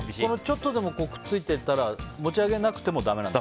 ちょっとでもくっついたら持ち上げなくてもだめなんだ。